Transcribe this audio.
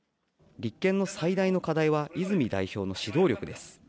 立憲の最大の課題は泉代表の指導力です。